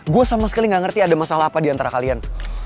gue sama sekali gak ngerti ada masalah apa diantara kalian